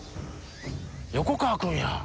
横川君やん。